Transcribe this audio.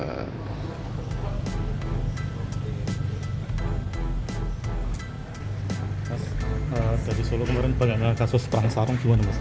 dari solo kemarin bagaimana kasus perang sarung gimana mas